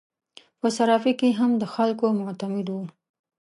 په صرافي کې هم د خلکو معتمد وو.